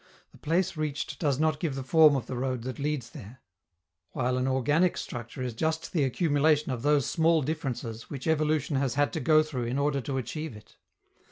The place reached does not give the form of the road that leads there; while an organic structure is just the accumulation of those small differences which evolution has had to go through in order to achieve it.